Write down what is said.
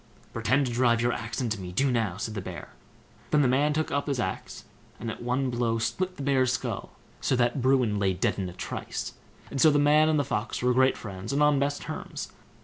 "Pretend to drive your axe into me, do now", said the bear. Then the man took up his axe, and at one blow split the bear's skull, so that Bruin lay dead in a trice, and so the man and the Fox were great friends, and on the best terms.